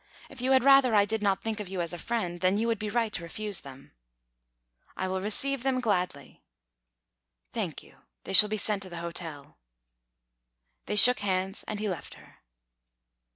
If you had rather I did not think of you as a friend, then you would be right to refuse them." "I will receive them gladly." "Thank you. They shall be sent to the hotel." They shook hands, and he left her.